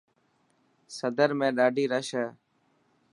سدر ۾ ڏاڌي رش هي.